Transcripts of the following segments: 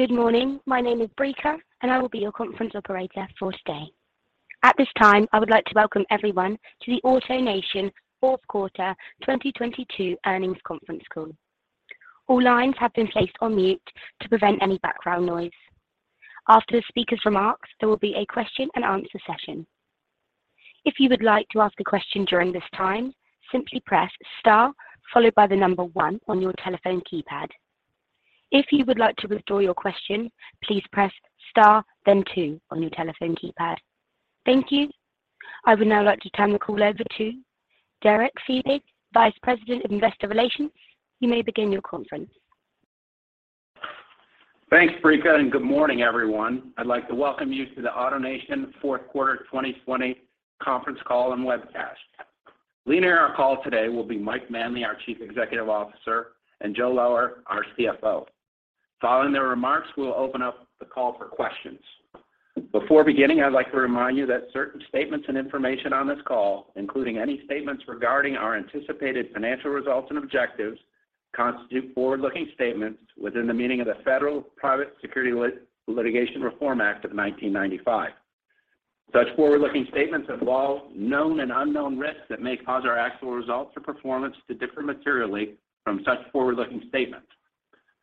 Good morning. My name is Breka, I will be your conference operator for today. At this time, I would like to welcome everyone to the AutoNation Fourth Quarter 2022 Earnings Conference Call. All lines have been placed on mute to prevent any background noise. After the speaker's remarks, there will be a question and answer session. If you would like to ask a question during this time, simply press star followed by 1 on your telephone keypad. If you would like to withdraw your question, please press star then 2 on your telephone keypad. Thank you. I would now like to turn the call over to Derek Fiebig, Vice President of Investor Relations. You may begin your conference. Thanks, Breka. Good morning, everyone. I'd like to welcome you to the AutoNation Fourth Quarter 2020 conference call and webcast. Leading our call today will be Mike Manley, our Chief Executive Officer, and Joe Lower, our CFO. Following their remarks, we'll open up the call for questions. Before beginning, I'd like to remind you that certain statements and information on this call, including any statements regarding our anticipated financial results and objectives, constitute forward-looking statements within the meaning of the Federal Private Securities Litigation Reform Act of 1995. Such forward-looking statements involve known and unknown risks that may cause our actual results or performance to differ materially from such forward-looking statements.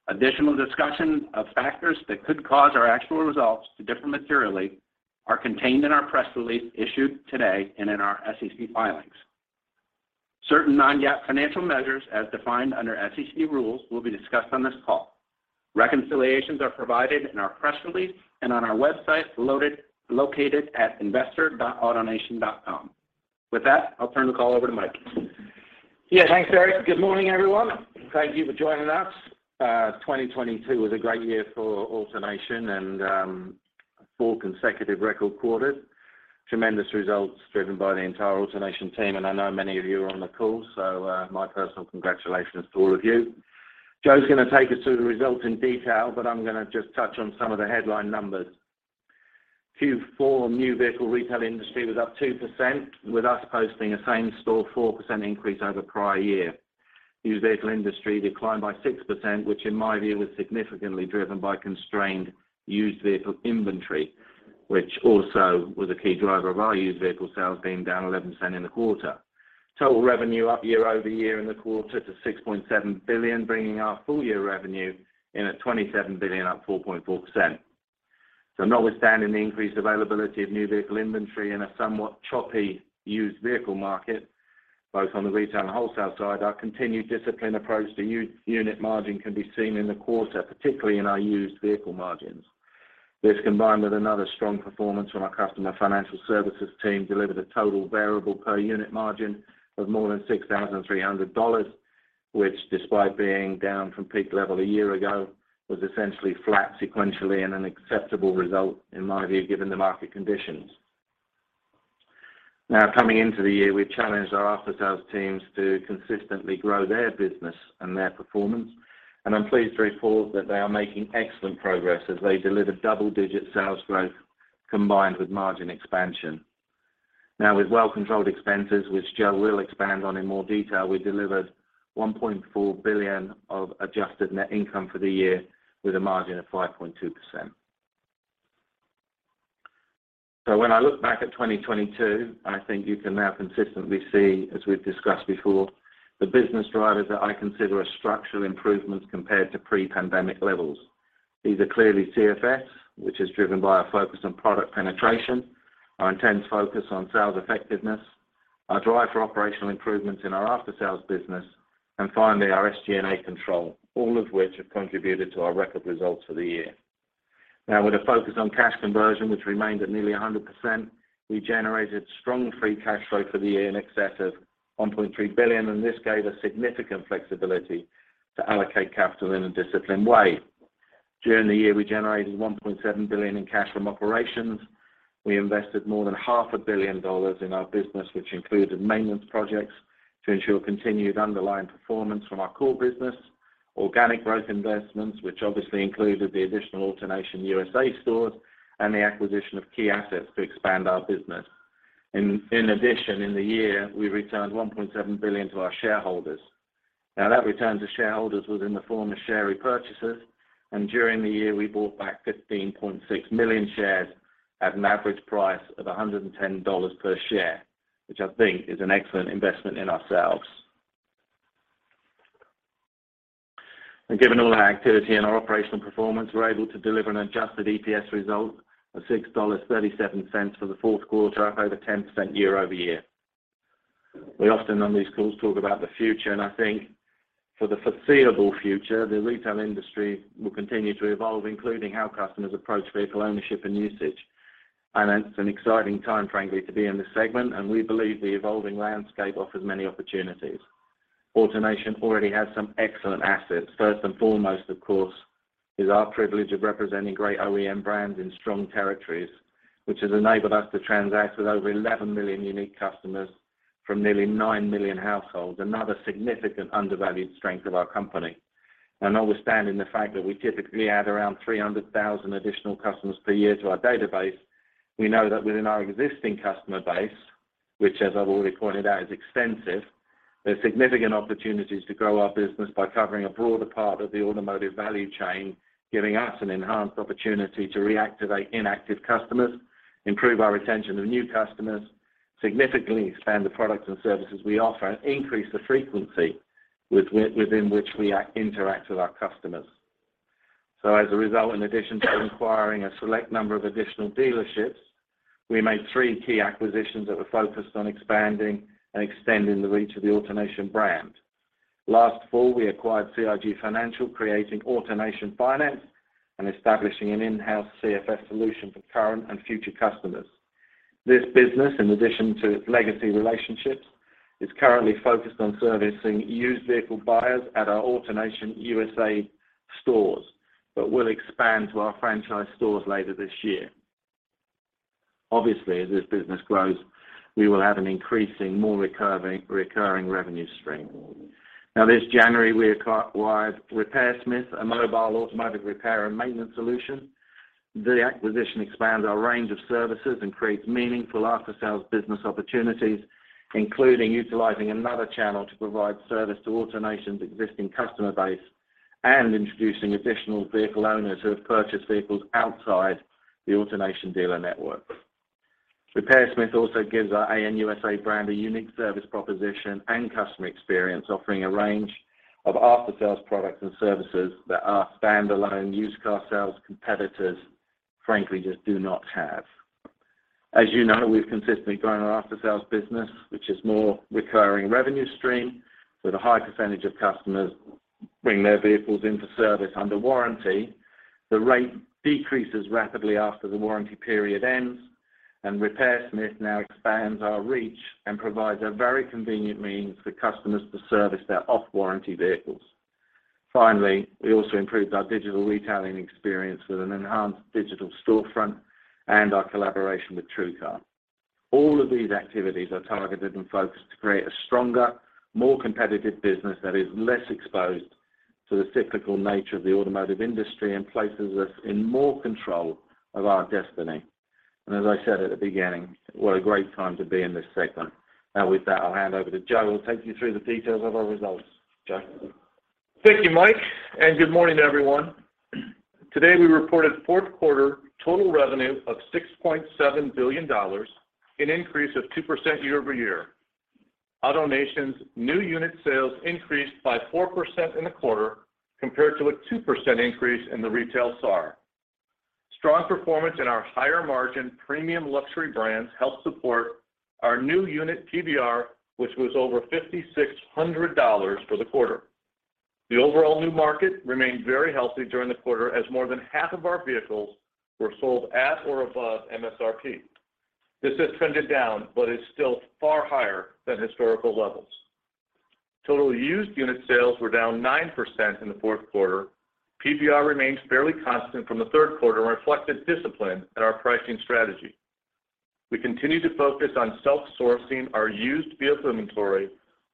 Additional discussion of factors that could cause our actual results to differ materially are contained in our press release issued today and in our SEC filings. Certain non-GAAP financial measures as defined under SEC rules will be discussed on this call. Reconciliations are provided in our press release and on our website located at investors.autonation.com. With that, I'll turn the call over to Mike. Yeah, thanks, Derek. Good morning, everyone. Thank you for joining us. 2022 was a great year for AutoNation and four consecutive record quarters. Tremendous results driven by the entire AutoNation team, and I know many of you are on the call, so my personal congratulations to all of you. Joe's gonna take us through the results in detail, but I'm gonna just touch on some of the headline numbers. Q4 new vehicle retail industry was up 2%, with us posting a same store 4% increase over prior year. Used vehicle industry declined by 6%, which in my view was significantly driven by constrained used vehicle inventory, which also was a key driver of our used vehicle sales being down 11% in the quarter. Total revenue up year-over-year in the quarter to $6.7 billion, bringing our full year revenue in at $27 billion, up 4.4%. Notwithstanding the increased availability of new vehicle inventory in a somewhat choppy used vehicle market, both on the retail and wholesale side, our continued disciplined approach to unit margin can be seen in the quarter, particularly in our used vehicle margins. This, combined with another strong performance from our customer financial services team, delivered a total variable per unit margin of more than $6,300, which, despite being down from peak level a year ago, was essentially flat sequentially and an acceptable result in my view, given the market conditions. Coming into the year, we challenged our after-sales teams to consistently grow their business and their performance, and I'm pleased to report that they are making excellent progress as they deliver double-digit sales growth combined with margin expansion. With well-controlled expenses, which Joe will expand on in more detail, we delivered $1.4 billion of adjusted net income for the year with a margin of 5.2%. When I look back at 2022, I think you can now consistently see, as we've discussed before, the business drivers that I consider are structural improvements compared to pre-pandemic levels. These are clearly CFS, which is driven by our focus on product penetration, our intense focus on sales effectiveness, our drive for operational improvements in our after-sales business, and finally, our SG&A control, all of which have contributed to our record results for the year. Now, with a focus on cash conversion, which remained at nearly 100%, we generated strong free cash flow for the year in excess of $1.3 billion. This gave us significant flexibility to allocate capital in a disciplined way. During the year, we generated $1.7 billion in cash from operations. We invested more than half a billion dollars in our business, which included maintenance projects to ensure continued underlying performance from our core business, organic growth investments, which obviously included the additional AutoNation USA stores and the acquisition of key assets to expand our business. In addition, in the year, we returned $1.7 billion to our shareholders. Now, that return to shareholders was in the form of share repurchases, and during the year, we bought back 15.6 million shares at an average price of $110 per share, which I think is an excellent investment in ourselves. Given all our activity and our operational performance, we're able to deliver an adjusted EPS result of $6.37 for the fourth quarter, up over 10% year-over-year. We often on these calls talk about the future, and I think for the foreseeable future, the retail industry will continue to evolve, including how customers approach vehicle ownership and usage. It's an exciting time, frankly, to be in this segment, and we believe the evolving landscape offers many opportunities. AutoNation already has some excellent assets. First and foremost, of course, is our privilege of representing great OEM brands in strong territories, which has enabled us to transact with over 11 million unique customers from nearly 9 million households, another significant undervalued strength of our company. Notwithstanding the fact that we typically add around 300,000 additional customers per year to our database, we know that within our existing customer base, which, as I've already pointed out, is extensive. There are significant opportunities to grow our business by covering a broader part of the automotive value chain, giving us an enhanced opportunity to reactivate inactive customers, improve our retention of new customers, significantly expand the products and services we offer, and increase the frequency within which we interact with our customers. As a result, in addition to acquiring a select number of additional dealerships, we made 3 key acquisitions that were focused on expanding and extending the reach of the AutoNation brand. Last fall, we acquired CIG Financial, creating AutoNation Finance and establishing an in-house CFS solution for current and future customers. This business, in addition to its legacy relationships, is currently focused on servicing used vehicle buyers at our AutoNation USA stores, but will expand to our franchise stores later this year. Obviously, as this business grows, we will have an increasing more recurring revenue stream. This January, we acquired RepairSmith, a mobile automotive repair and maintenance solution. The acquisition expands our range of services and creates meaningful after-sales business opportunities, including utilizing another channel to provide service to AutoNation's existing customer base and introducing additional vehicle owners who have purchased vehicles outside the AutoNation dealer network. RepairSmith also gives our ANUSA brand a unique service proposition and customer experience, offering a range of after-sales products and services that our standalone used car sales competitors frankly just do not have. As you know, we've consistently grown our after-sales business, which is more recurring revenue stream with a high percentage of customers bring their vehicles into service under warranty. The rate decreases rapidly after the warranty period ends. RepairSmith now expands our reach and provides a very convenient means for customers to service their off-warranty vehicles. Finally, we also improved our digital retailing experience with an enhanced digital storefront and our collaboration with TrueCar. All of these activities are targeted and focused to create a stronger, more competitive business that is less exposed to the cyclical nature of the automotive industry and places us in more control of our destiny. As I said at the beginning, what a great time to be in this segment. Now with that, I'll hand over to Joe, who will take you through the details of our results. Joe? Thank you, Mike. Good morning, everyone. Today, we reported fourth quarter total revenue of $6.7 billion, an increase of 2% year-over-year. AutoNation's new unit sales increased by 4% in the quarter compared to a 2% increase in the retail SAR. Strong performance in our higher-margin premium luxury brands helped support our new unit PBR, which was over $5,600 for the quarter. The overall new market remained very healthy during the quarter as more than half of our vehicles were sold at or above MSRP. This has trended down but is still far higher than historical levels. Total used unit sales were down 9% in the fourth quarter. PBR remains fairly constant from the third quarter and reflected discipline in our pricing strategy. We continue to focus on self-sourcing our used vehicle inventory,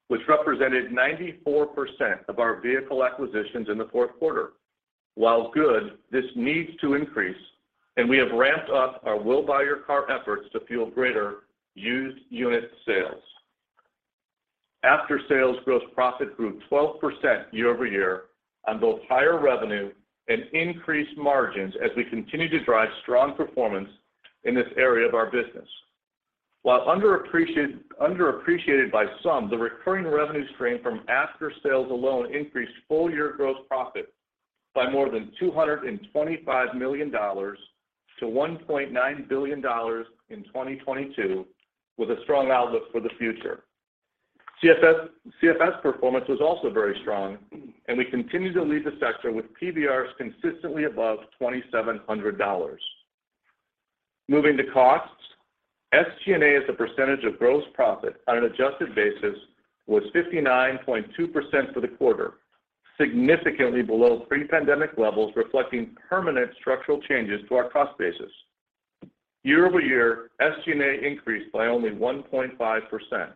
which represented 94% of our vehicle acquisitions in the fourth quarter. While good, this needs to increase, and we have ramped up our We Buy Your Car efforts to fuel greater used unit sales. After sales, gross profit grew 12% year-over-year on both higher revenue and increased margins as we continue to drive strong performance in this area of our business. While underappreciated by some, the recurring revenue stream from after sales alone increased full-year gross profit by more than $225 million to $1.9 billion in 2022, with a strong outlook for the future. CFS performance was also very strong, and we continue to lead the sector with PBRs consistently above $2,700. Moving to costs, SG&A as a percentage of gross profit on an adjusted basis was 59.2% for the quarter, significantly below pre-pandemic levels, reflecting permanent structural changes to our cost basis. Year-over-year, SG&A increased by only 1.5%.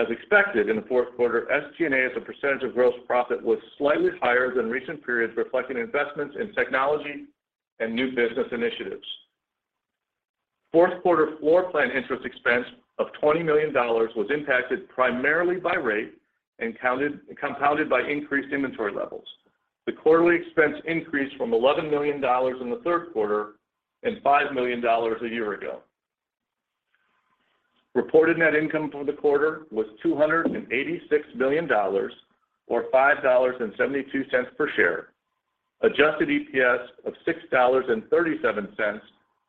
As expected in the fourth quarter, SG&A as a percentage of gross profit was slightly higher than recent periods, reflecting investments in technology and new business initiatives. Fourth quarter floorplan interest expense of $20 million was impacted primarily by rate and compounded by increased inventory levels. The quarterly expense increased from $11 million in the third quarter and $5 million a year ago. Reported net income for the quarter was $286 million or $5.72 per share. Adjusted EPS of $6.37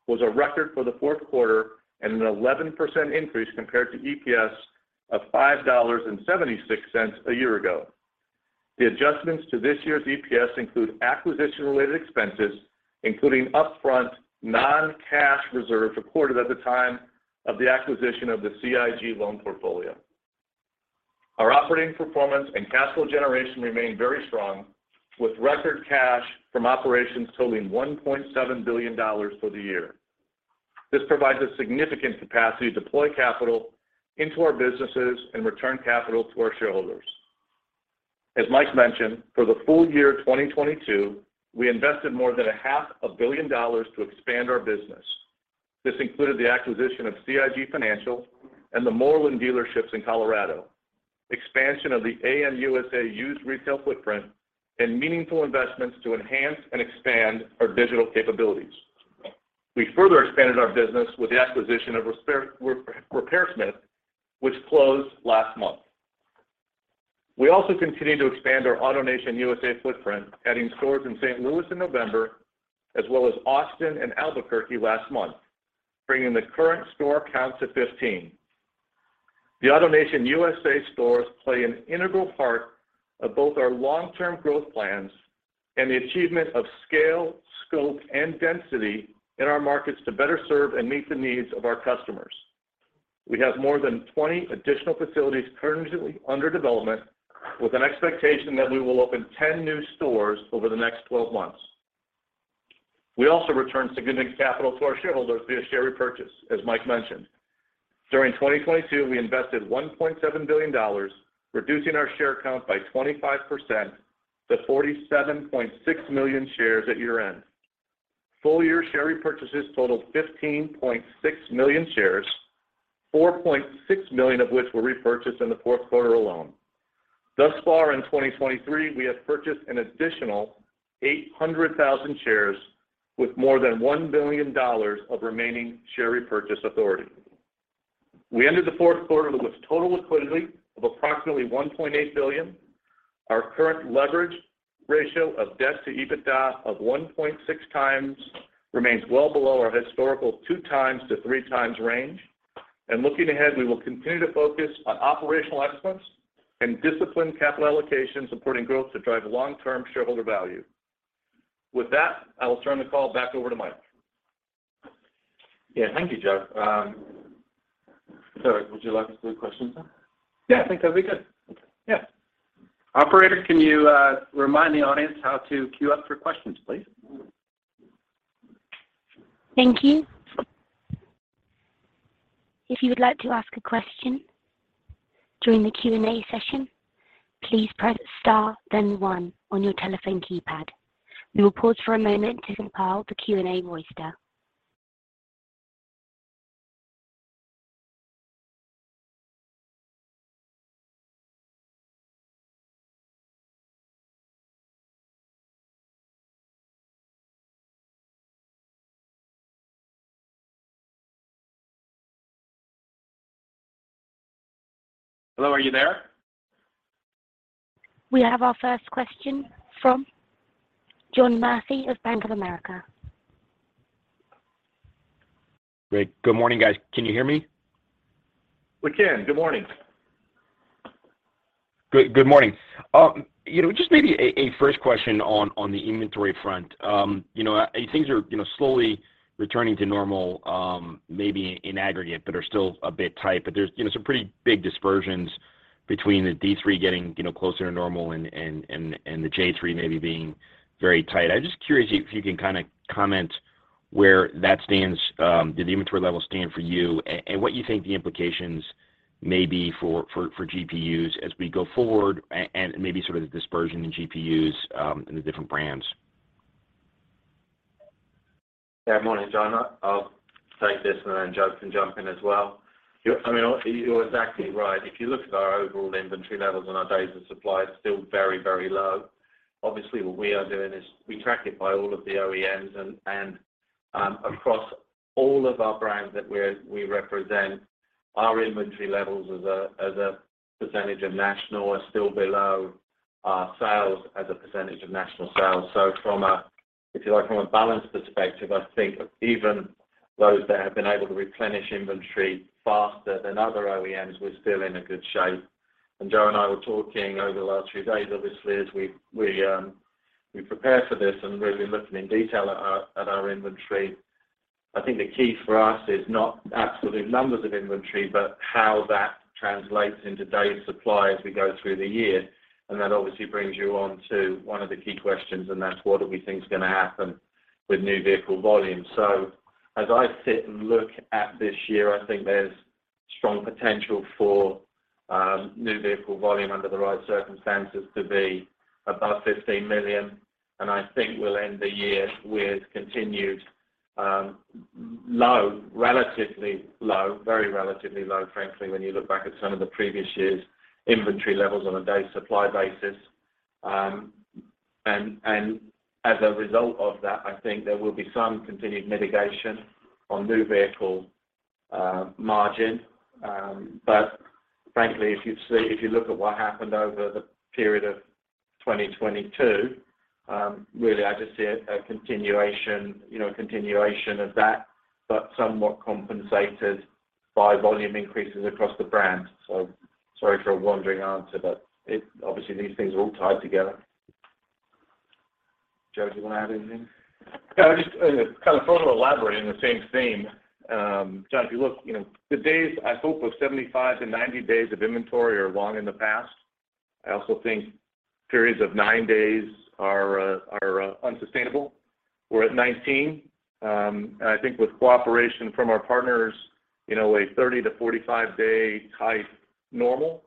was a record for the fourth quarter and an 11% increase compared to EPS of $5.76 a year ago. The adjustments to this year's EPS include acquisition-related expenses, including upfront non-cash reserves recorded at the time of the acquisition of the CIG loan portfolio. Our operating performance and cash flow generation remain very strong, with record cash from operations totaling $1.7 billion for the year. This provides us significant capacity to deploy capital into our businesses and return capital to our shareholders. As Mike mentioned, for the full year 2022, we invested more than a half a billion dollars to expand our business. This included the acquisition of CIG Financial and the Moreland dealerships in Colorado, expansion of the ANUSA used retail footprint, and meaningful investments to enhance and expand our digital capabilities. We further expanded our business with the acquisition of RepairSmith, which closed last month. We continued to expand our AutoNation USA footprint, adding stores in St. Louis in November, as well as Austin and Albuquerque last month, bringing the current store count to 15. The AutoNation USA stores play an integral part of both our long-term growth plans and the achievement of scale, scope, and density in our markets to better serve and meet the needs of our customers. We have more than 20 additional facilities currently under development with an expectation that we will open 10 new stores over the next 12 months. We returned significant capital to our shareholders via share repurchase, as Mike mentioned. During 2022, we invested $1.7 billion, reducing our share count by 25% to 47.6 million shares at year-end. Full year share repurchases totaled 15.6 million shares, 4.6 million of which were repurchased in the fourth quarter alone. Thus far in 2023, we have purchased an additional 800,000 shares with more than $1 billion of remaining share repurchase authority. We entered the fourth quarter with total liquidity of approximately $1.8 billion. Our current leverage ratio of debt to EBITDA of 1.6 times remains well below our historical 2 times to 3 times range. Looking ahead, we will continue to focus on operational excellence and disciplined capital allocation, supporting growth to drive long-term shareholder value. With that, I will turn the call back over to Mike. Yeah. Thank you, Joe. Would you like us to do questions now? Yeah, I think that'd be good. Okay. Yeah. Operator, can you remind the audience how to queue up for questions, please? Thank you. If you would like to ask a question during the Q&A session, please press star then one on your telephone keypad. We will pause for a moment to compile the Q&A register. Hello, are you there? We have our first question from John Murphy of Bank of America. Great. Good morning, guys. Can you hear me? We can. Good morning. Great. Good morning. you know, just maybe a first question on the inventory front. you know, things are, you know, slowly returning to normal, maybe in aggregate, but are still a bit tight. There's, you know, some pretty big dispersions between the D3 getting, you know, closer to normal and the J3 maybe being very tight. I'm just curious if you can kinda comment where that stands, the inventory level stand for you and what you think the implications may be for GPUs as we go forward and maybe sort of the dispersion in GPUs in the different brands? Morning, John Murphy. I'll take this and then Joe Lower can jump in as well. I mean, you're exactly right. If you look at our overall inventory levels and our days of supply, it's still very, very low. What we are doing is we track it by all of the OEMs. Across all of our brands that we represent, our inventory levels as a % of national are still below our sales as a % of national sales. From a, if you like, from a balance perspective, I think even those that have been able to replenish inventory faster than other OEMs, we're still in a good shape. Joe Lower and I were talking over the last few days, obviously, as we prepare for this and really looking in detail at our inventory. I think the key for us is not absolute numbers of inventory, but how that translates into days supply as we go through the year. That obviously brings you on to one of the key questions, and that's what do we think is gonna happen with new vehicle volume. As I sit and look at this year, I think there's strong potential for new vehicle volume under the right circumstances to be above 15 million. I think we'll end the year with continued low, relatively low, very relatively low, frankly, when you look back at some of the previous years' inventory levels on a days supply basis. As a result of that, I think there will be some continued mitigation on new vehicle margin. Frankly, if you look at what happened over the period of 2022, really, I just see a continuation, you know, a continuation of that, but somewhat compensated by volume increases across the brand. Sorry for a wandering answer, but it obviously these things are all tied together. Joe, do you want to add anything? Yeah. Just, you know, kind of elaborating the same theme. John, if you look, you know, the days I thought were 75-90 days of inventory are long in the past. I also think periods of nine days are unsustainable. We're at 19. I think with cooperation from our partners, you know, a 30-45 day type normal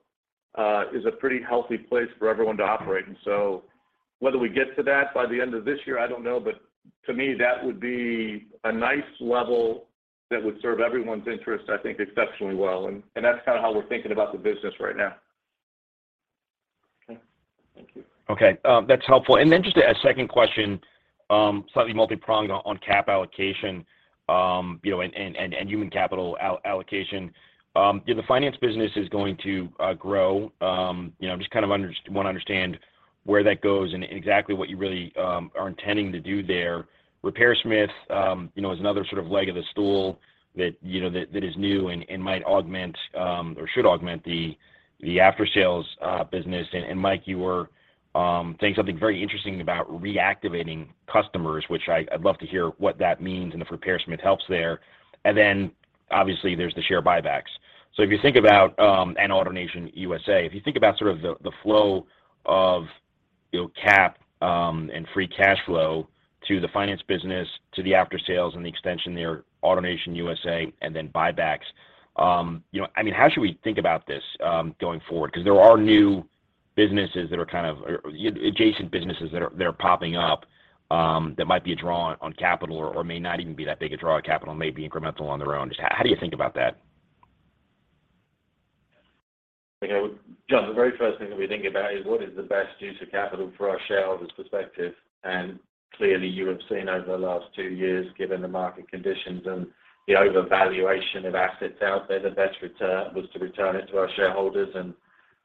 is a pretty healthy place for everyone to operate. Whether we get to that by the end of this year, I don't know. To me, that would be a nice level that would serve everyone's interests, I think, exceptionally well. That's kinda how we're thinking about the business right now. Okay. Thank you. Okay. That's helpful. Just a second question, slightly multipronged on cap allocation, you know, and human capital allocation. You know, the finance business is going to grow. You know, I'm just kind of wanna understand where that goes and exactly what you really are intending to do there. RepairSmith, you know, is another sort of leg of the stool that, you know, that is new and might augment or should augment the aftersales business. Mike, you were saying something very interesting about reactivating customers, which I'd love to hear what that means and if RepairSmith helps there. Obviously, there's the share buybacks. If you think about, and AutoNation USA, if you think about sort of the flow of, you know, cap, and free cash flow to the finance business, to the aftersales and the extension there, AutoNation USA, and then buybacks, you know, I mean, how should we think about this going forward? There are new businesses that are kind of or, you know, adjacent businesses that are, that are popping up, that might be a draw on capital or may not even be that big a draw on capital, may be incremental on their own. Just how do you think about that? You know, John, the very first thing that we think about is what is the best use of capital for our shareholders' perspective. Clearly, you have seen over the last 2 years, given the market conditions and the overvaluation of assets out there, the best return was to return it to our shareholders, and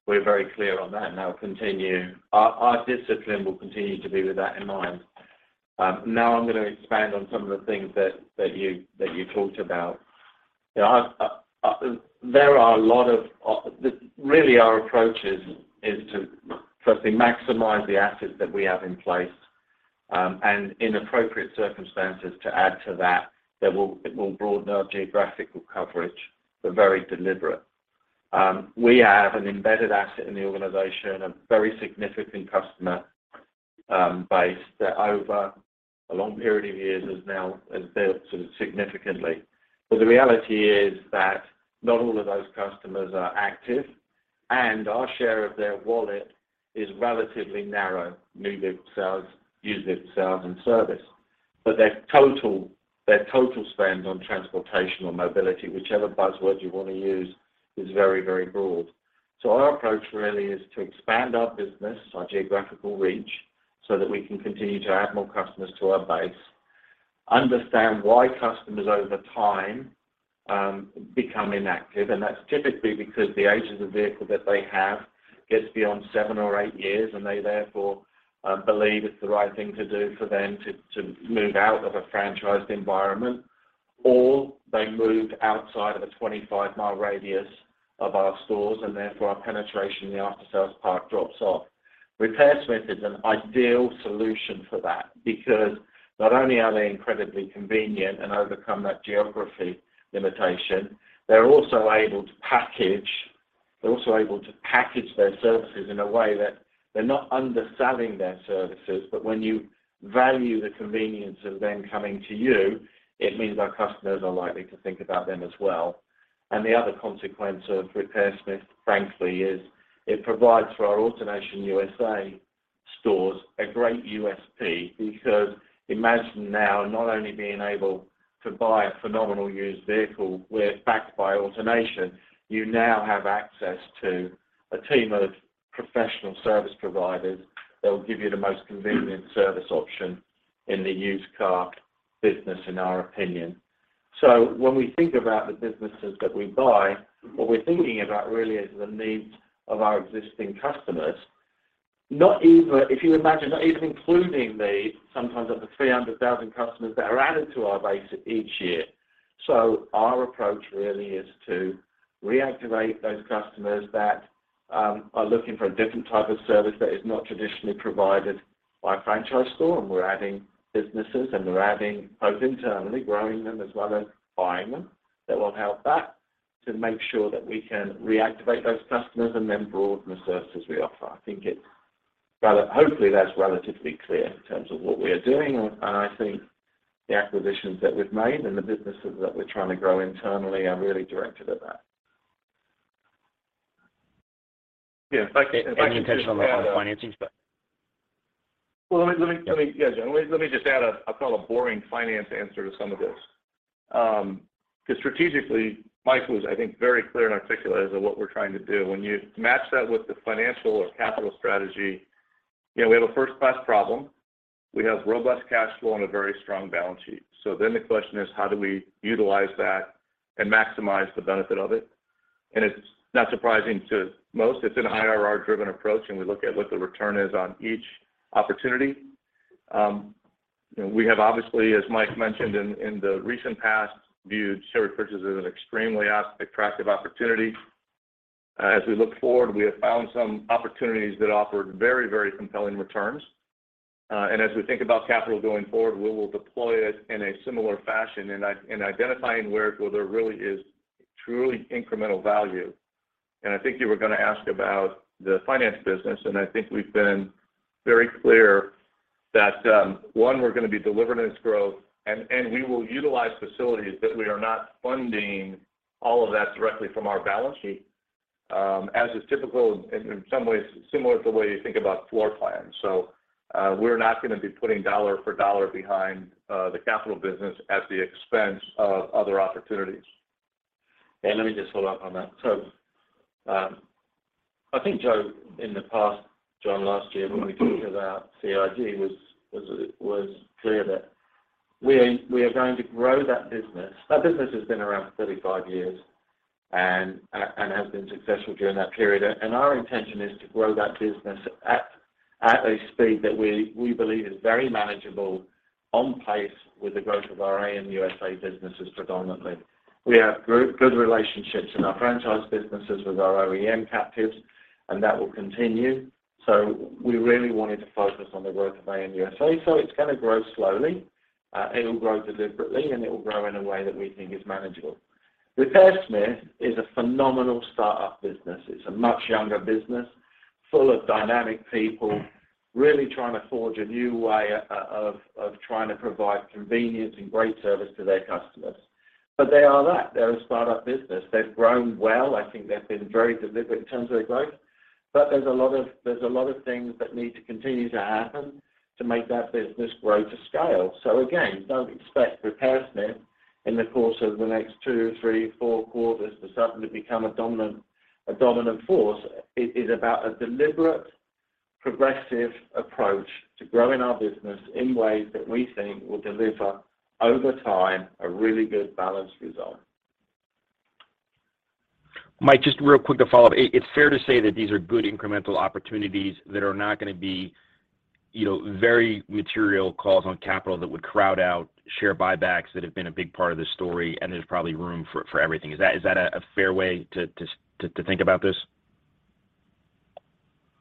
we're very clear on that and that'll continue. Our discipline will continue to be with that in mind. Now I'm gonna expand on some of the things that you talked about. You know, really our approach is to firstly maximize the assets that we have in place, and in appropriate circumstances to add to that, it will broaden our geographical coverage. We're very deliberate. We have an embedded asset in the organization, a very significant customer base that over a long period of years has now, has built sort of significantly. The reality is that not all of those customers are active, and our share of their wallet is relatively narrow, new vehicle sales, used vehicle sales, and service. Their total spend on transportation or mobility, whichever buzzword you wanna use, is very, very broad. Our approach really is to expand our business, our geographical reach, so that we can continue to add more customers to our base, understand why customers over time, become inactive. That's typically because the age of the vehicle that they have gets beyond seven or eight years, and they therefore, believe it's the right thing to do for them to move out of a franchised environment, or they moved outside of a 25-mile radius of our stores and therefore our penetration in the aftersales part drops off. RepairSmith is an ideal solution for that because not only are they incredibly convenient and overcome that geography limitation, they're also able to package their services in a way that they're not underselling their services, but when you value the convenience of them coming to you, it means our customers are likely to think about them as well. The other consequence of RepairSmith, frankly, is it provides for our AutoNation USA stores a great USP, because imagine now not only being able to buy a phenomenal used vehicle where it's backed by AutoNation, you now have access to a team of professional service providers that will give you the most convenient service option in the used car business, in our opinion. When we think about the businesses that we buy, what we're thinking about really is the needs of our existing customers. If you imagine, not even including the sometimes up to 300,000 customers that are added to our base each year. Our approach really is to reactivate those customers that are looking for a different type of service that is not traditionally provided by a franchise store, and we're adding businesses, and we're adding both internally, growing them as well as buying them, that will help that to make sure that we can reactivate those customers and then broaden the services we offer. I think it's hopefully that's relatively clear in terms of what we are doing. I think the acquisitions that we've made and the businesses that we're trying to grow internally are really directed at that. Yeah. If I can just add... Any intention on the financings, but. Well, let me. Yeah, John. Let me just add a kind of boring finance answer to some of this. because strategically, Mike was, I think, very clear and articulate as to what we're trying to do. When you match that with the financial or capital strategy, you know, we have a first-class problem. We have robust cash flow and a very strong balance sheet. The question is, how do we utilize that and maximize the benefit of it? It's not surprising to most, it's an IRR-driven approach, and we look at what the return is on each opportunity. you know, we have obviously, as Mike mentioned in the recent past, viewed share repurchases as an extremely as-attractive opportunity. as we look forward, we have found some opportunities that offered very, very compelling returns. As we think about capital going forward, we will deploy it in identifying where there really is truly incremental value. I think you were gonna ask about the finance business, and I think we've been very clear that, one, we're gonna be delivering its growth, and we will utilize facilities that we are not funding all of that directly from our balance sheet, as is typical in some ways similar to the way you think about floor plans. We're not gonna be putting dollar for dollar behind the capital business at the expense of other opportunities. Let me just follow up on that. I think, Joe, in the past, John, last year when we talked about CIG was clear that we are going to grow that business. That business has been around for 35 years and has been successful during that period. Our intention is to grow that business at a speed that we believe is very manageable on pace with the growth of our ANUSA businesses predominantly. We have good relationships in our franchise businesses with our OEM captives, and that will continue. We really wanted to focus on the growth of ANUSA. It's gonna grow slowly, it'll grow deliberately, and it will grow in a way that we think is manageable. RepairSmith is a phenomenal startup business. It's a much younger business full of dynamic people really trying to forge a new way of trying to provide convenience and great service to their customers. They are that. They're a startup business. They've grown well. I think they've been very deliberate in terms of their growth. There's a lot of things that need to continue to happen to make that business grow to scale. Again, don't expect RepairSmith in the course of the next 2, 3, 4 quarters to suddenly become a dominant force. It is about a deliberate, progressive approach to growing our business in ways that we think will deliver over time a really good balanced result. Mike, just real quick to follow up. It's fair to say that these are good incremental opportunities that are not gonna be, you know, very material calls on capital that would crowd out share buybacks that have been a big part of this story, and there's probably room for everything. Is that a fair way to think about this?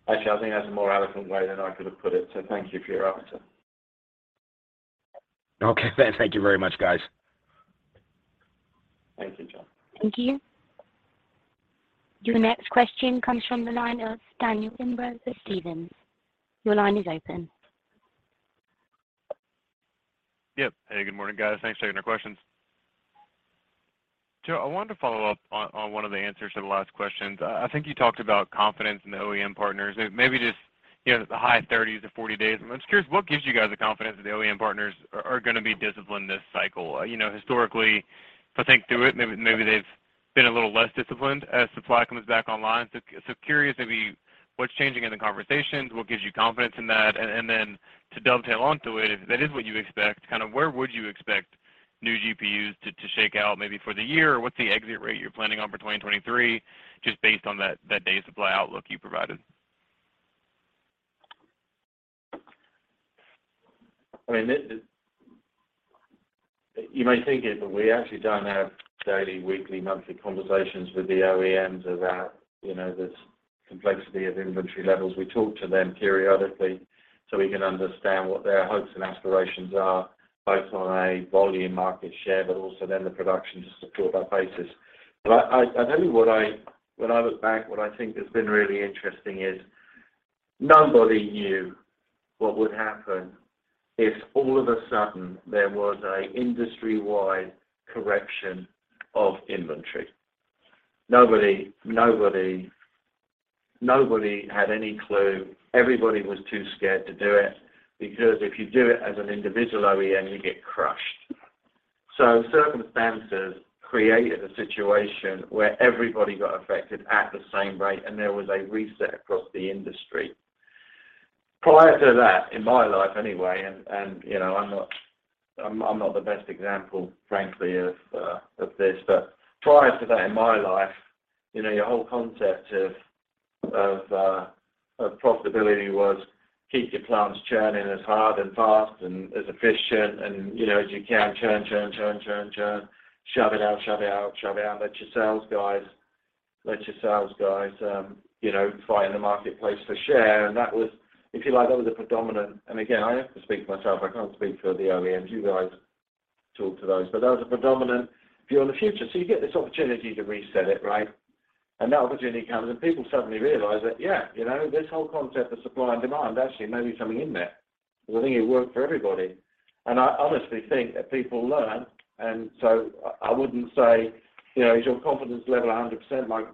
I think that's a more eloquent way than I could have put it. Thank you for your answer. Okay. Thank you very much, guys. Thank you, John. Thank you. Your next question comes from the line of Daniel Imbro, Stephens. Your line is open. Yep. Hey, good morning, guys. Thanks for taking our questions. Joe, I wanted to follow up on one of the answers to the last questions. I think you talked about confidence in the OEM partners. Maybe just, you know, the high thirties or forty days. I'm just curious, what gives you guys the confidence that the OEM partners are gonna be disciplined this cycle? You know, historically, if I think through it, maybe they've been a little less disciplined as supply comes back online. Curious maybe what's changing in the conversations, what gives you confidence in that? Then to dovetail onto it, if that is what you expect, kind of where would you expect new GPUs to shake out maybe for the year or what's the exit rate you're planning on for 2023 just based on that day supply outlook you provided? I mean, you may think it, we actually don't have daily, weekly, monthly conversations with the OEMs about, you know, this complexity of inventory levels. We talk to them periodically so we can understand what their hopes and aspirations are, both on a volume market share, also then the production to support that basis. I tell you what, when I look back, what I think has been really interesting is nobody knew what would happen if all of a sudden there was a industry-wide correction of inventory. Nobody had any clue. Everybody was too scared to do it because if you do it as an individual OEM, you get crushed. Circumstances created a situation where everybody got affected at the same rate and there was a reset across the industry. Prior to that, in my life anyway, and, you know, I'm not, I'm not the best example, frankly of this, but prior to that in my life, you know, your whole concept of profitability was keep your plants churning as hard and fast and as efficient and, you know, as you can churn, shove it out. Let your sales guys, you know, fight in the marketplace for share. That was, if you like, that was a predominant. Again, I have to speak for myself. I can't speak for the OEMs. You guys talk to those. That was a predominant view on the future. You get this opportunity to reset it, right? That opportunity comes, and people suddenly realize that, yeah, you know, this whole concept of supply and demand actually may be something in there. Well, I think it worked for everybody. I honestly think that people learn. I wouldn't say, you know, is your confidence level 100%, Mike?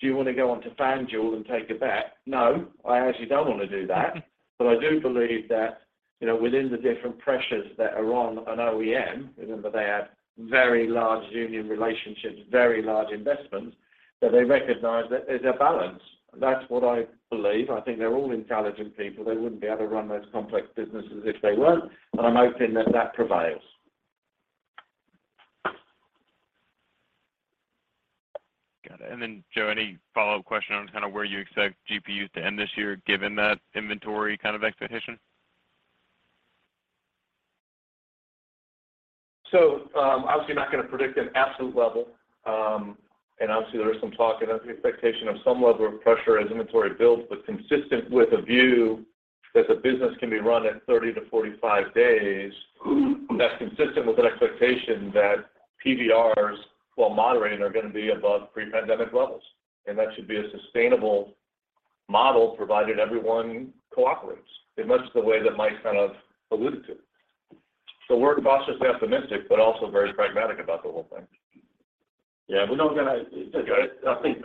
Do you want to, do you wanna go on to FanDuel and take a bet? No, I actually don't wanna do that. I do believe that, you know, within the different pressures that are on an OEM, remember they have very large union relationships, very large investments, that they recognize that there's a balance. That's what I believe. I think they're all intelligent people. They wouldn't be able to run those complex businesses if they weren't. I'm hoping that that prevails. Got it. Joe, any follow-up question on kind of where you expect GPUs to end this year given that inventory kind of expectation? Obviously not gonna predict an absolute level. Obviously there is some talk and expectation of some level of pressure as inventory builds, but consistent with a view that the business can be run in 30-45 days, that's consistent with an expectation that PVRs while moderating are gonna be above pre-pandemic levels. That should be a sustainable model provided everyone cooperates in much the way that Mike kind of alluded to. We're cautiously optimistic, but also very pragmatic about the whole thing. Yeah. We're not. Got it. I think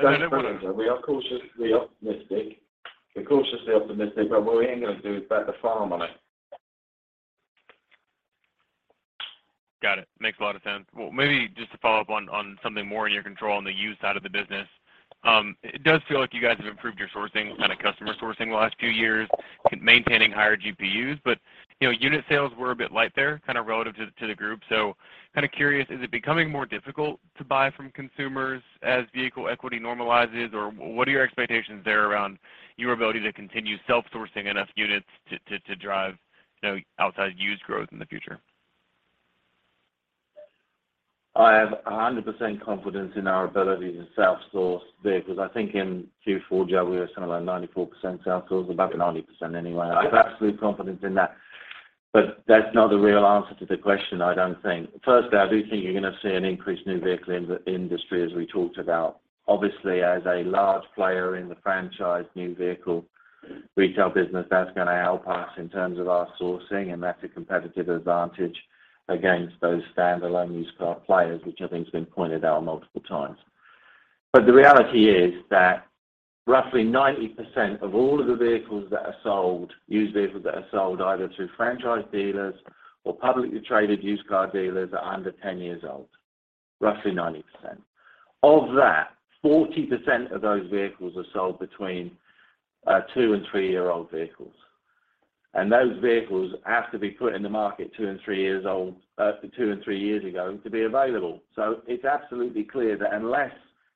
we are cautiously optimistic. We're cautiously optimistic. What we ain't gonna do is bet the farm on it. Got it. Makes a lot of sense. Maybe just to follow up on something more in your control on the used side of the business. It does feel like you guys have improved your sourcing, kinda customer sourcing the last few years, maintaining higher GPUs. You know, unit sales were a bit light there, kinda relative to the group. Kinda curious, is it becoming more difficult to buy from consumers as vehicle equity normalizes? Or what are your expectations there around your ability to continue self-sourcing enough units to drive, you know, outside used growth in the future? I have 100% confidence in our ability to self-source vehicles. I think in Q4, Joe, we were somewhere around 94% self-source, about 90% anyway. I have absolute confidence in that. That's not the real answer to the question, I don't think. Firstly, I do think you're gonna see an increased new vehicle in-industry as we talked about. Obviously, as a large player in the franchise new vehicle retail business, that's gonna help us in terms of our sourcing, and that's a competitive advantage against those standalone used car players, which I think has been pointed out multiple times. The reality is that roughly 90% of all of the vehicles that are sold, used vehicles that are sold either through franchise dealers or publicly traded used car dealers are under 10 years old, roughly 90%. Of that, 40% of those vehicles are sold between 2- and 3-year-old vehicles. Those vehicles have to be put in the market 2 and 3 years old, 2 and 3 years ago to be available. It's absolutely clear that unless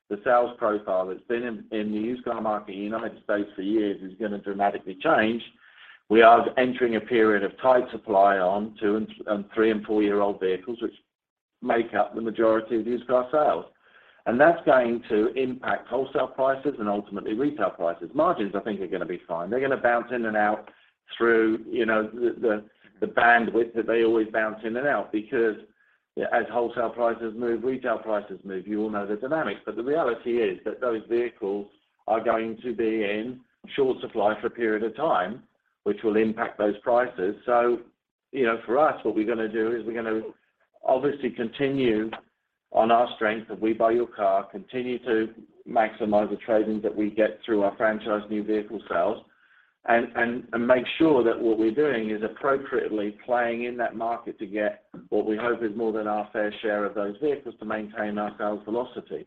the sales profile that's been in the used car market in the United States for years is gonna dramatically change. We are entering a period of tight supply on 2 and 3 and 4-year-old vehicles, which make up the majority of the used car sales. That's going to impact wholesale prices and ultimately retail prices. Margins, I think are gonna be fine. They're gonna bounce in and out through, you know, the, the bandwidth that they always bounce in and out because as wholesale prices move, retail prices move. You all know the dynamics. The reality is that those vehicles are going to be in short supply for a period of time, which will impact those prices. You know, for us, what we're gonna do is we're gonna obviously continue on our strength of We Buy Your Car, continue to maximize the trade-ins that we get through our franchise new vehicle sales, and make sure that what we're doing is appropriately playing in that market to get what we hope is more than our fair share of those vehicles to maintain our sales velocity.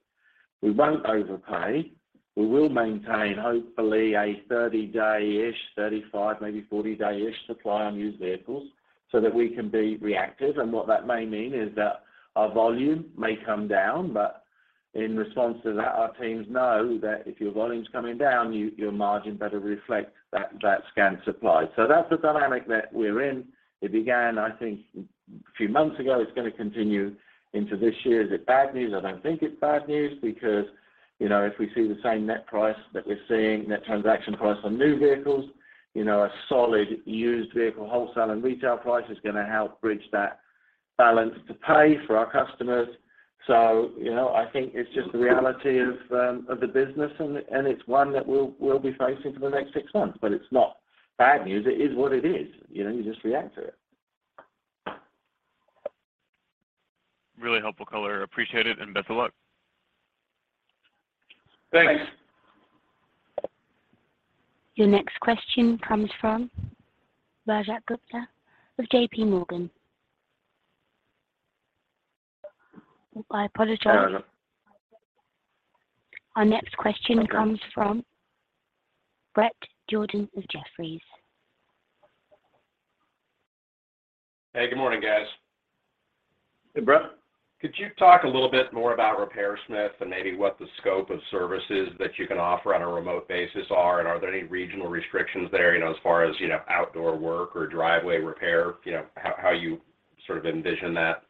We won't overpay. We will maintain, hopefully, a 30-day-ish, 35, maybe 40-day-ish supply on used vehicles so that we can be reactive. What that may mean is that our volume may come down, but in response to that, our teams know that if your volume's coming down, your margin better reflect that scan supply. That's the dynamic that we're in. It began, I think, a few months ago. It's gonna continue into this year. Is it bad news? I don't think it's bad news because, you know, if we see the same net price that we're seeing, net transaction price on new vehicles, you know, a solid used vehicle wholesale and retail price is gonna help bridge that balance to pay for our customers. You know, I think it's just the reality of the business and it's one that we'll be facing for the next six months. It's not bad news. It is what it is. You know, you just react to it. Really helpful color. Appreciate it and best of luck. Thanks. Your next question comes from Rajat Gupta with JPMorgan. Oh, I apologize. No, no. Our next question comes from Bret Jordan of Jefferies. Hey, good morning, guys. Hey, Bret. Could you talk a little bit more about RepairSmith and maybe what the scope of services that you can offer on a remote basis are? Are there any regional restrictions there, you know, as far as, you know, outdoor work or driveway repair? You know, how you sort of envision that.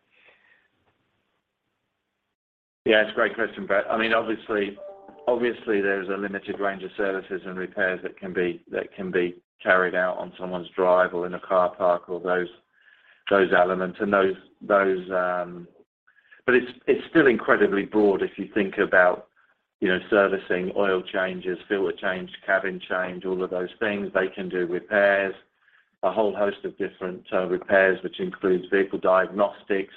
Yeah, it's a great question, Bret Jordan. I mean, obviously, there's a limited range of services and repairs that can be carried out on someone's drive or in a car park or those elements and those. It's still incredibly broad if you think about, you know, servicing oil changes, filter change, cabin change, all of those things. They can do repairs, a whole host of different repairs, which includes vehicle diagnostics.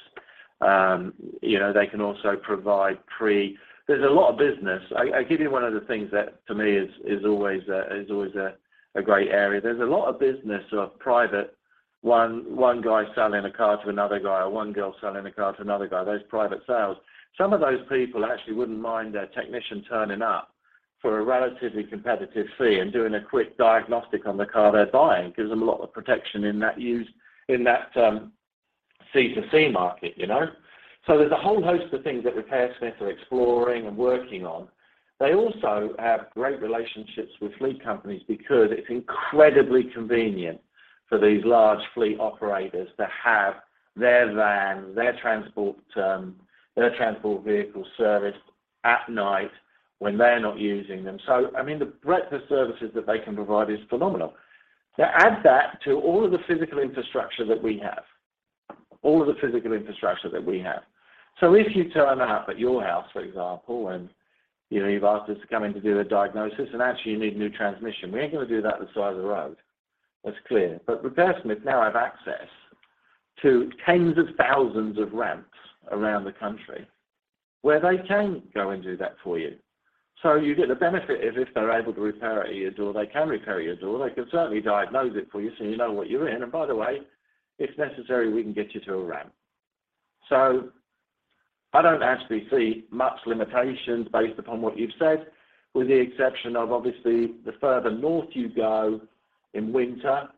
You know, they can also provide There's a lot of business. I give you one of the things that to me is always a great area. There's a lot of business of private one guy selling a car to another guy or one girl selling a car to another guy. Those private sales. Some of those people actually wouldn't mind a technician turning up for a relatively competitive fee and doing a quick diagnostic on the car they're buying. Gives them a lot of protection in that C2C market, you know. There's a whole host of things that RepairSmith are exploring and working on. They also have great relationships with fleet companies because it's incredibly convenient for these large fleet operators to have their vans, their transport vehicle serviced at night when they're not using them. I mean, the breadth of services that they can provide is phenomenal. Now add that to all of the physical infrastructure that we have. If you turn up at your house, for example, and, you know, you've asked us to come in to do a diagnosis, and actually you need a new transmission, we ain't gonna do that at the side of the road. That's clear. RepairSmith now have access to tens of thousands of ramps around the country where they can go and do that for you. You get the benefit of if they're able to repair it at your door, they can repair your door. They can certainly diagnose it for you so you know what you're in. By the way, if necessary, we can get you to a ramp. I don't actually see much limitations based upon what you've said, with the exception of obviously the further north you go in winter,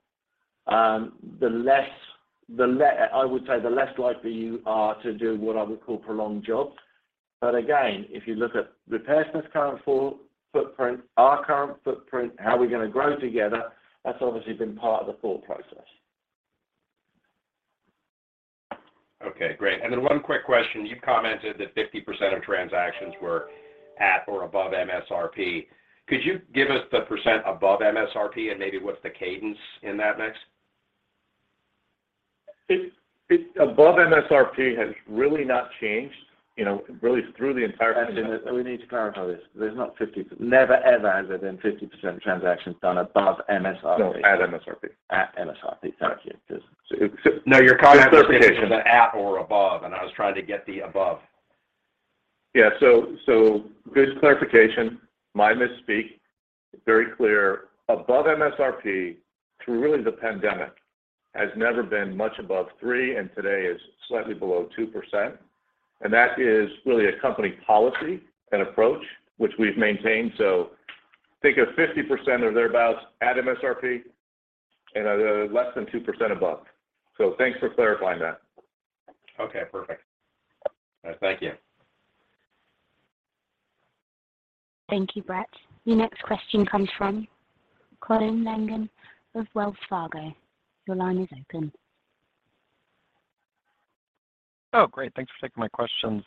the less, I would say the less likely you are to do what I would call prolonged jobs. Again, if you look at RepairSmith's current footprint, our current footprint, how we're gonna grow together, that's obviously been part of the thought process. Okay, great. One quick question. You commented that 50% of transactions were at or above MSRP. Could you give us the % above MSRP and maybe what's the cadence in that mix? It Above MSRP has really not changed, you know, really through the entire pandemic. We need to clarify this. There's not. Never ever has there been 50% of transactions done above MSRP. No, at MSRP. At MSRP. Thank you. No, your comment was at or above, and I was trying to get the above. Yeah. Good clarification. My misspeak. Very clear. Above MSRP through really the pandemic has never been much above 3, and today is slightly below 2%. That is really a company policy and approach, which we've maintained. Think of 50% or thereabouts at MSRP and less than 2% above. Thanks for clarifying that. Okay, perfect. Thank you. Thank you, Bret. Your next question comes from Colin Langan of Wells Fargo. Your line is open. Great. Thanks for taking my questions.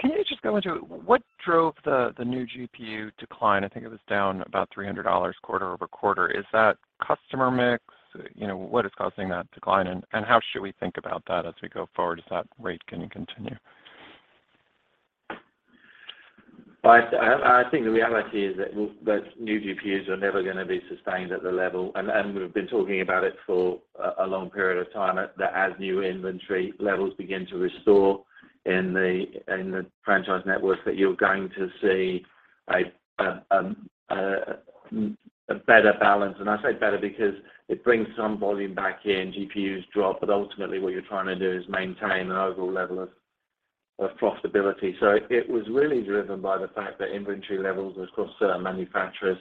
Can you just go into what drove the new GPU decline? I think it was down about $300 quarter-over-quarter. Is that customer mix? You know, what is causing that decline, and how should we think about that as we go forward? Is that rate gonna continue? I think the reality is that new GPUs are never gonna be sustained at the level. We've been talking about it for a long period of time, that as new inventory levels begin to restore in the, in the franchise networks, that you're going to see a better balance. I say better because it brings some volume back in, GPUs drop, but ultimately what you're trying to do is maintain an overall level of profitability. It was really driven by the fact that inventory levels across certain manufacturers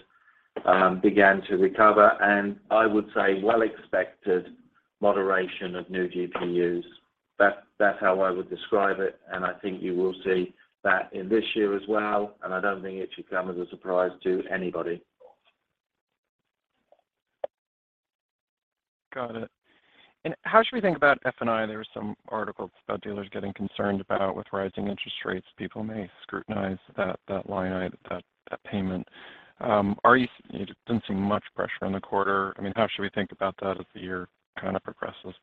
began to recover, and I would say well expected moderation of new GPUs. That's how I would describe it, and I think you will see that in this year as well, and I don't think it should come as a surprise to anybody. Got it. How should we think about F&I? There were some articles about dealers getting concerned about with rising interest rates, people may scrutinize that line item, that payment. You didn't see much pressure in the quarter. I mean, how should we think about that as the year kind of progresses?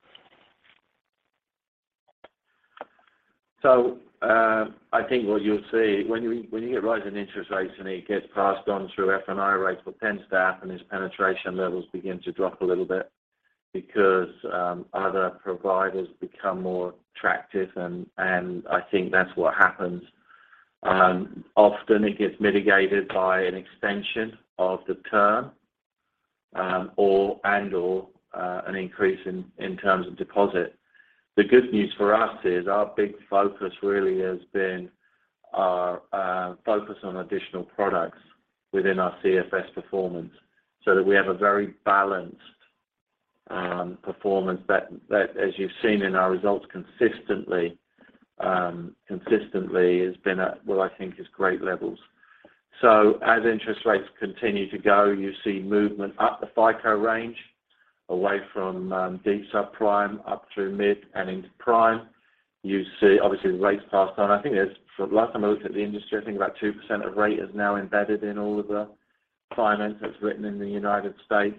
I think what you'll see when you, when you get rising interest rates and it gets passed on through F&I rates will tend to happen is penetration levels begin to drop a little bit because other providers become more attractive and I think that's what happens. Often it gets mitigated by an extension of the term, or and/or an increase in terms of deposit. The good news for us is our big focus really has been our focus on additional products within our CFS performance, so that we have a very balanced performance that, as you've seen in our results consistently has been at what I think is great levels. As interest rates continue to go, you see movement up the FICO range away from deep subprime up through mid and into prime. You see obviously the rates passed on. The last time I looked at the industry, I think about 2% of rate is now embedded in all of the finance that's written in the United States.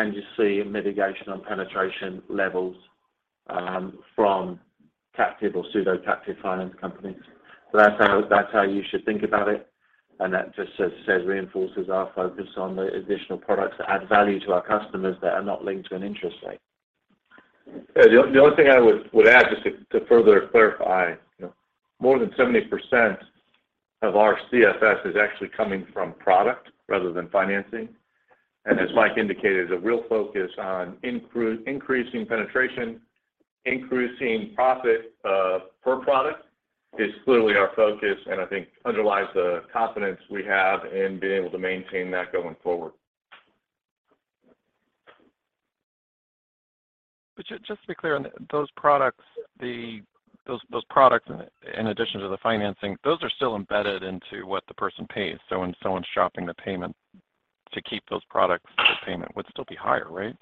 You see a mitigation on penetration levels from captive or pseudo-captive finance companies. That's how you should think about it. That just as it says, reinforces our focus on the additional products that add value to our customers that are not linked to an interest rate. Yeah. The only thing I would add, just to further clarify, you know, more than 70% of our CFS is actually coming from product rather than financing. As Mike indicated, a real focus on increasing penetration, increasing profit per product is clearly our focus and I think underlies the confidence we have in being able to maintain that going forward. just to be clear on that, those products, those products in addition to the financing, those are still embedded into what the person pays. When someone's shopping the payment to keep those products, the payment would still be higher, right?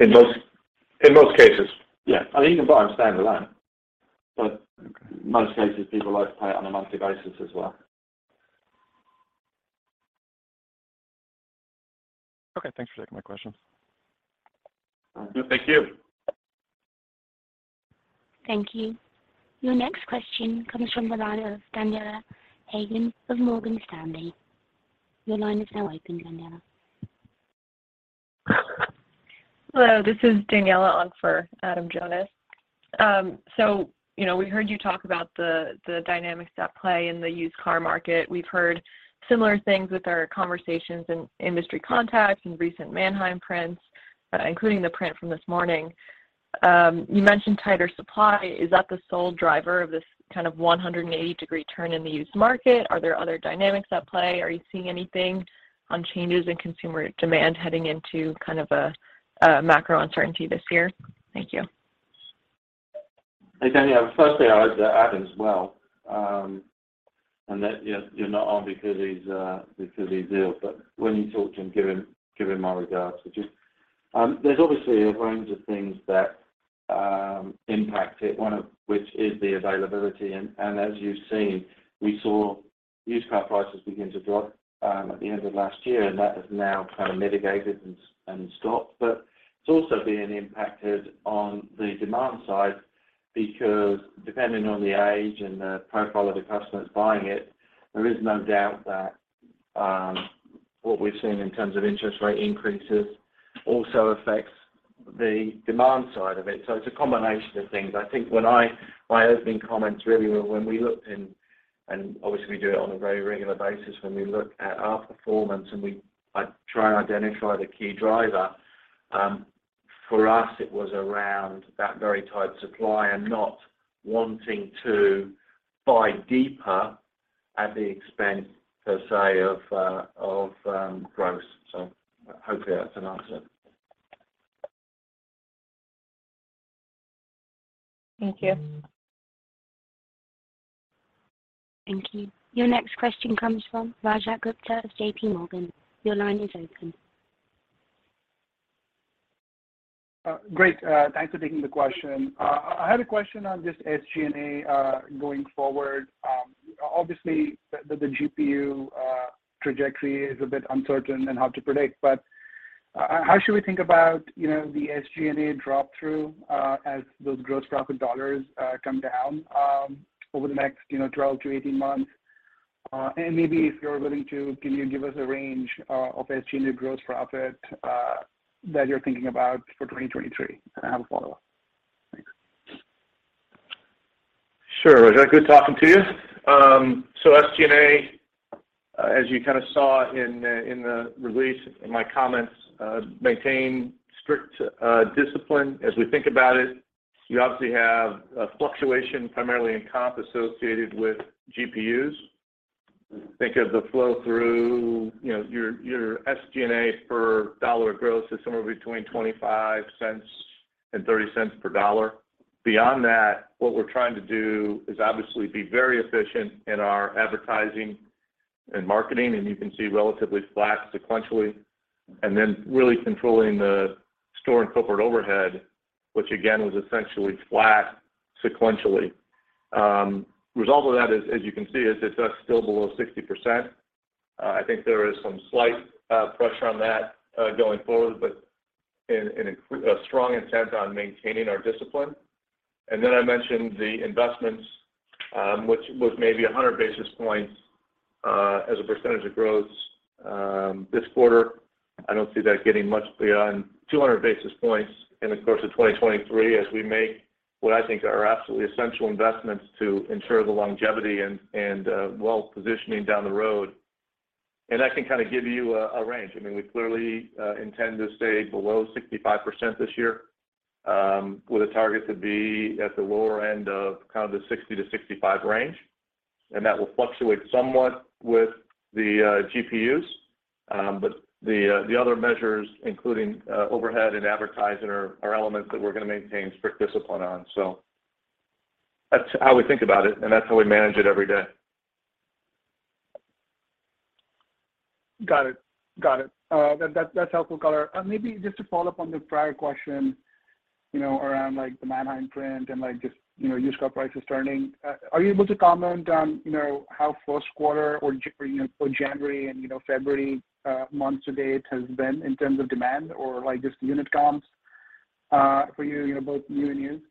In most cases, yeah. You can buy them standalone. Okay. Most cases, people like to pay it on a monthly basis as well. Okay. Thanks for taking my question. No, thank you. Thank you. Your next question comes from the line of Adam Jonas of Morgan Stanley. Your line is now open, Adam. Hello, this Daniela Haigian on for Adam Jonas. you know, we heard you talk about the dynamics at play in the used car market. We've heard similar things with our conversations and industry contacts and recent Manheim prints, including the print from this morning. You mentioned tighter supply. Is that the sole driver of this kind of 180-degree turn in the used market? Are there other dynamics at play? Are you seeing anything on changes in consumer demand heading into kind of a macro uncertainty this year? Thank you. Hey, Daniela. Firstly, I hope Adam's well, and that, you know, you're not on because he's ill. When you talk to him, give him my regards. Just, there's obviously a range of things that impact it, one of which is the availability and as you've seen, we saw used car prices begin to drop at the end of last year, and that has now kind of mitigated and stopped. It's also been impacted on the demand side because depending on the age and the profile of the customers buying it, there is no doubt that what we've seen in terms of interest rate increases also affects the demand side of it. It's a combination of things. I think when I... My opening comments really were when we looked in, and obviously we do it on a very regular basis, when we look at our performance and we, like, try and identify the key driver, for us, it was around that very tight supply and not wanting to buy deeper at the expense per se of, growth. Hopefully that's an answer. Thank you. Thank you. Your next question comes from Rajat Gupta of JPMorgan. Your line is open. Great. Thanks for taking the question. I had a question on just SG&A going forward. Obviously the GPU trajectory is a bit uncertain in how to predict, but how should we think about, you know, the SG&A drop-through as those gross profit dollars come down over the next, you know, 12 to 18 months? Maybe if you're willing to, can you give us a range of SG&A gross profit that you're thinking about for 2023? I have a follow-up. Thanks. Sure, Rajat. Good talking to you. SG&A, as you kind of saw in the, in the release, in my comments, maintain strict discipline as we think about it. You obviously have a fluctuation primarily in comp associated with GPUs. Think of the flow through, you know, your SG&A per dollar of gross is somewhere between $0.25 and $0.30 per dollar. Beyond that, what we're trying to do is obviously be very efficient in our advertising and marketing, and you can see relatively flat sequentially, and then really controlling the store and corporate overhead, which again was essentially flat sequentially. Result of that as you can see, is it's still below 60%. I think there is some slight pressure on that going forward, but in a strong intent on maintaining our discipline. I mentioned the investments, which was maybe 100 basis points as a percentage of gross this quarter. I don't see that getting much beyond 200 basis points in the course of 2023 as we make what I think are absolutely essential investments to ensure the longevity and well positioning down the road. I can kind of give you a range. I mean, we clearly intend to stay below 65% this year, with a target to be at the lower end of kind of the 60-65 range. That will fluctuate somewhat with the GPUs. The other measures, including overhead and advertising are elements that we're gonna maintain strict discipline on. That's how we think about it, and that's how we manage it every day. Got it. Got it. That's helpful color. Maybe just to follow up on the prior question, you know, around like the Manheim print and like just, you know, used car prices turning. Are you able to comment on, you know, how first quarter or, you know, or January and, you know, February months to date has been in terms of demand or like just unit comps for you know, both new and used?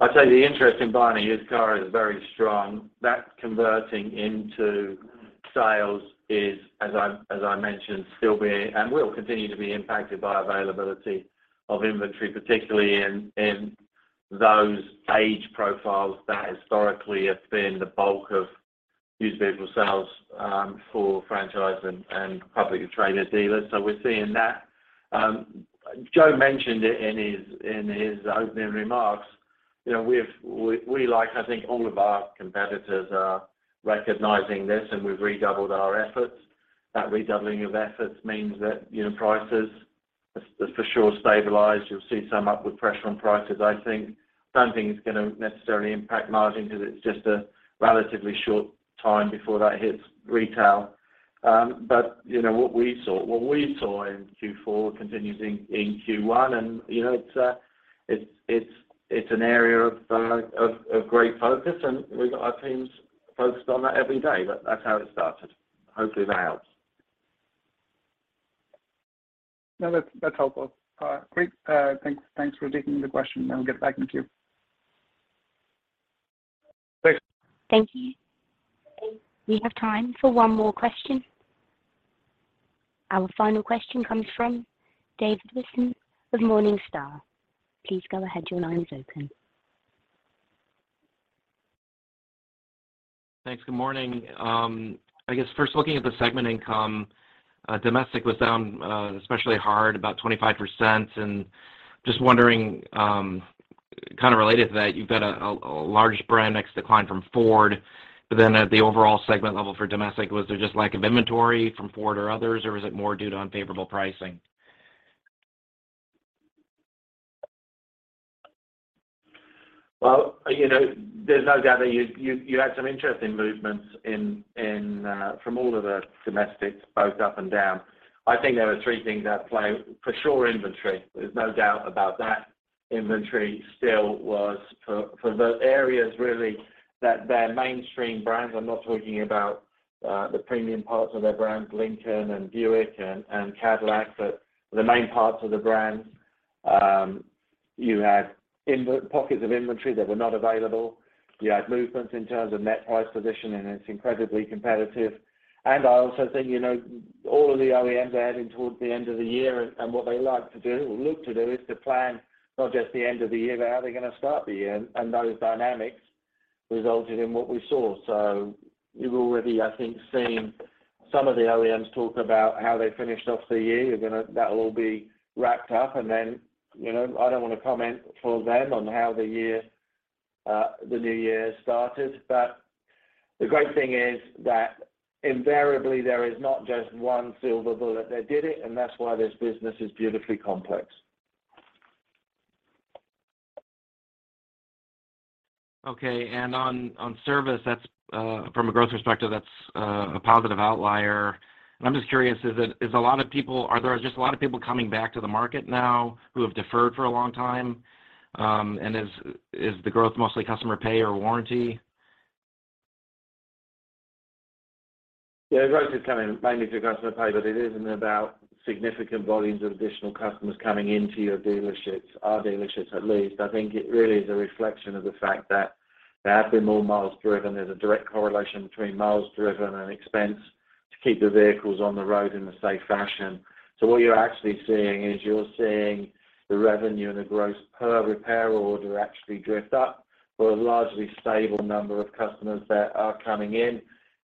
I'd say the interest in buying a used car is very strong. That converting into sales is, as I mentioned, still be and will continue to be impacted by availability of inventory, particularly in those age profiles that historically have been the bulk of used vehicle sales, for franchise and public and traded dealers. We're seeing that. Joe mentioned it in his opening remarks. You know, we like, I think all of our competitors are recognizing this, we've redoubled our efforts. That redoubling of efforts means that, you know, prices is for sure stabilized. You'll see some upward pressure on prices, I think. Don't think it's gonna necessarily impact margin because it's just a relatively short time before that hits retail. You know, what we saw in Q4 continues in Q1, you know, it's an area of great focus, we've got our teams focused on that every day. That's how it started. Hopefully that helps. No, that's helpful. Great. Thanks for taking the question, and we'll get back in queue. Thanks. Thank you. We have time for one more question. Our final question comes from David Whiston of Morningstar. Please go ahead. Your line is open. Thanks. Good morning. I guess first looking at the segment income, domestic was down especially hard, about 25%. Just wondering, kind of related to that, you've got a large brand X decline from Ford. At the overall segment level for domestic, was there just lack of inventory from Ford or others, or was it more due to unfavorable pricing? Well, you know, there's no doubt that you had some interesting movements in from all of the domestics, both up and down. I think there are three things at play. For sure, inventory. There's no doubt about that. Inventory still was for the areas really that they're mainstream brands. I'm not talking about the premium parts of their brands, Lincoln and Buick and Cadillac, but the main parts of the brands, you had pockets of inventory that were not available. You had movements in terms of net price position. It's incredibly competitive. I also think, you know, all of the OEMs are heading towards the end of the year, and what they like to do or look to do is to plan not just the end of the year, but how they're gonna start the year. Those dynamics resulted in what we saw. You've already, I think, seen some of the OEMs talk about how they finished off the year. That'll all be wrapped up. Then, you know, I don't want to comment for them on how the year, the new year started. The great thing is that invariably there is not just one silver bullet that did it, and that's why this business is beautifully complex. Okay. On, on service, that's from a growth perspective, that's a positive outlier. I'm just curious, are there just a lot of people coming back to the market now who have deferred for a long time? Is the growth mostly customer pay or warranty? Yeah. Growth is coming mainly through customer pay. It isn't about significant volumes of additional customers coming into your dealerships, our dealerships, at least. I think it really is a reflection of the fact that there have been more miles driven. There's a direct correlation between miles driven and expense to keep the vehicles on the road in a safe fashion. What you're actually seeing is you're seeing the revenue and the gross per repair order actually drift up for a largely stable number of customers that are coming in.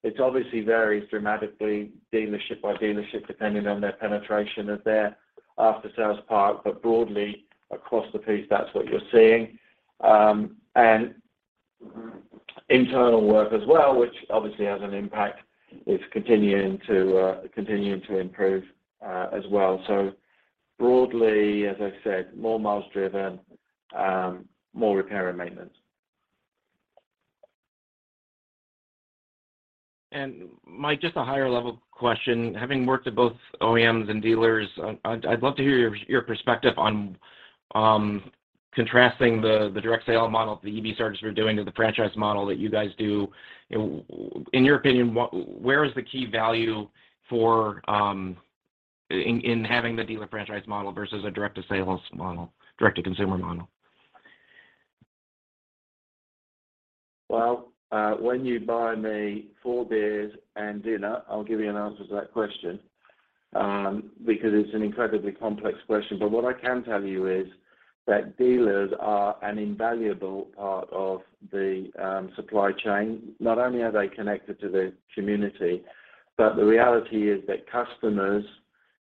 It obviously varies dramatically dealership by dealership, depending on their penetration of their after-sales part. Broadly across the piece, that's what you're seeing. Internal work as well, which obviously has an impact, is continuing to improve as well. Broadly, as I said, more miles driven, more repair and maintenance. Mike, just a higher level question. Having worked at both OEMs and dealers, I'd love to hear your perspective on contrasting the direct sale model that the EV starts are doing to the franchise model that you guys do. In your opinion, where is the key value for in having the dealer franchise model versus a direct to sales model, direct to consumer model? Well, when you buy me 4 beers and dinner, I'll give you an answer to that question, because it's an incredibly complex question. What I can tell you is that dealers are an invaluable part of the supply chain. Not only are they connected to the community, but the reality is that customers,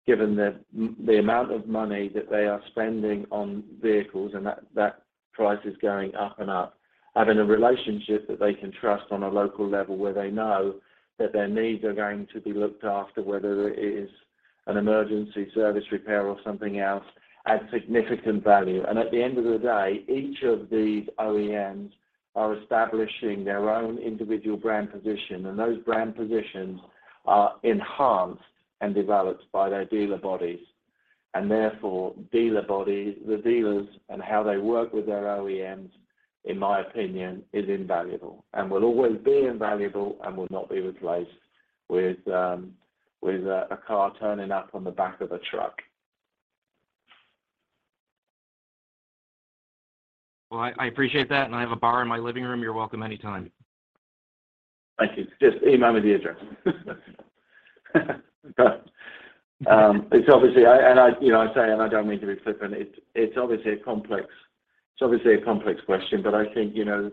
given the amount of money that they are spending on vehicles, and that price is going up and up, having a relationship that they can trust on a local level where they know that their needs are going to be looked after, whether it is an emergency service repair or something else, adds significant value. At the end of the day, each of these OEMs are establishing their own individual brand position, and those brand positions are enhanced and developed by their dealer bodies. Therefore, dealer bodies, the dealers and how they work with their OEMs, in my opinion, is invaluable and will always be invaluable and will not be replaced with a car turning up on the back of a truck. Well, I appreciate that. I have a bar in my living room. You're welcome anytime. Thank you. Just email me the address. I, and I, you know, I say, and I don't mean to be flippant. It's obviously a complex question. I think, you know,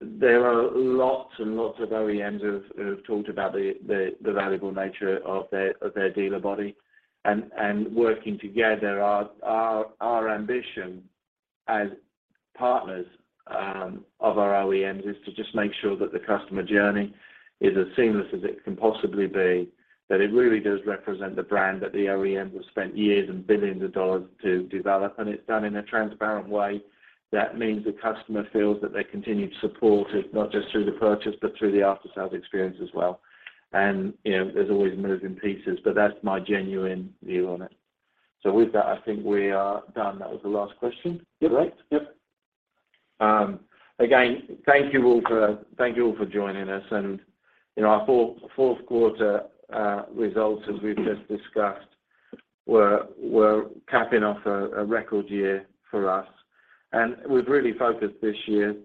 there are lots and lots of OEMs who have talked about the valuable nature of their dealer body. Working together, our ambition as partners of our OEMs is to just make sure that the customer journey is as seamless as it can possibly be, that it really does represent the brand that the OEM has spent years and billions of dollars to develop. It's done in a transparent way that means the customer feels that their continued support is not just through the purchase but through the after-sales experience as well. You know, there's always moving pieces, but that's my genuine view on it. With that, I think we are done. That was the last question. Yep. Right? Yep. Again, thank you all for joining us. You know, our fourth quarter results, as we've just discussed, were capping off a record year for us. We've really focused this year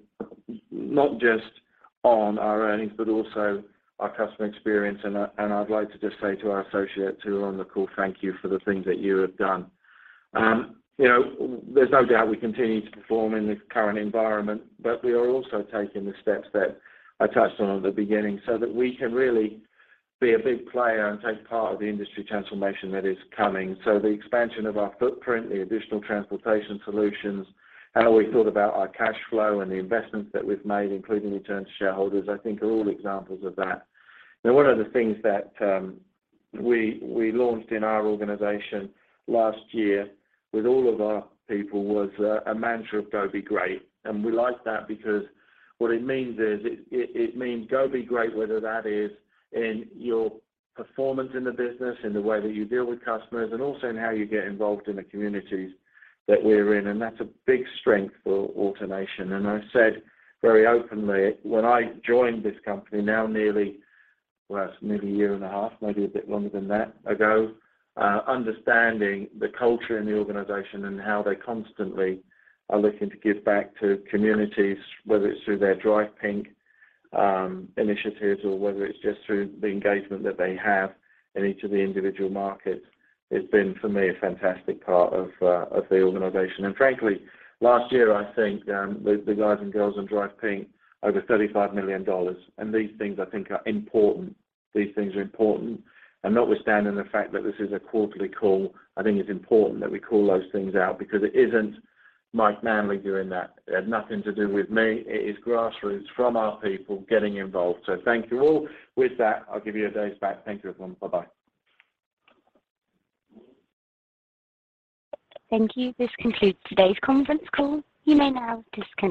not just on our earnings, but also our customer experience. I'd like to just say to our associates who are on the call, thank you for the things that you have done. You know, there's no doubt we continue to perform in this current environment, but we are also taking the steps that I touched on at the beginning so that we can really be a big player and take part of the industry transformation that is coming. The expansion of our footprint, the additional transportation solutions, how we thought about our cash flow and the investments that we've made, including return to shareholders, I think are all examples of that. Now, one of the things that we launched in our organization last year with all of our people was a mantra of Go Be Great. We like that because what it means is, it, it means Go Be Great, whether that is in your performance in the business, in the way that you deal with customers, and also in how you get involved in the communities that we're in. That's a big strength for AutoNation. I said very openly when I joined this company now nearly... Well, that's nearly a year and a half, maybe a bit longer than that ago, understanding the culture in the organization and how they constantly are looking to give back to communities, whether it's through their Drive Pink initiatives or whether it's just through the engagement that they have in each of the individual markets. It's been, for me, a fantastic part of the organization. Frankly, last year, I think, the guys and girls in Drive Pink, over $35 million. These things, I think, are important. These things are important. Notwithstanding the fact that this is a quarterly call, I think it's important that we call those things out because it isn't Mike Manley doing that. It had nothing to do with me. It is grassroots from our people getting involved. Thank you all. With that, I'll give you your days back. Thank you, everyone. Bye-bye. Thank you. This concludes today's conference call. You may now disconnect.